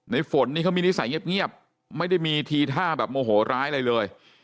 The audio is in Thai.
ฝนนี่เขามีนิสัยเงียบไม่ได้มีทีท่าแบบโมโหร้ายอะไรเลย